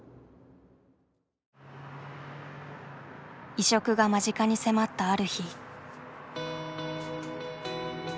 移植が間近に迫ったある日。